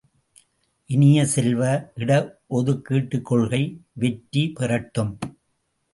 இனிய செல்வ, இட ஒதுக்கீட்டுக் கொள்கை வெற்றி பெறட்டும்!